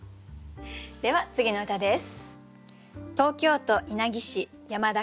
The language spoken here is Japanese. では次の歌です。